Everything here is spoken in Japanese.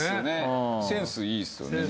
センスいいっすよね